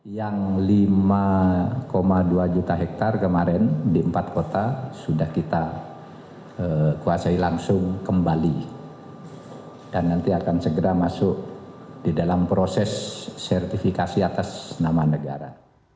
yang lima dua juta hektare kemarin di empat kota sudah kita kuasai langsung kembali dan nanti akan segera masuk di dalam proses sertifikasi atas nama negara